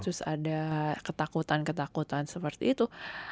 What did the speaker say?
terus ada ketakutan ketakutan seperti itu